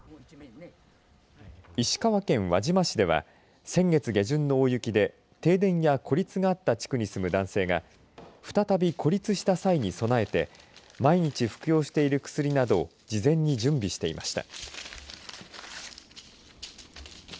石川県輪島市では先月下旬の大雪で停電や孤立があった地区に住む男性が再び孤立した際に備えて毎日服用している薬などを事前に準備していました。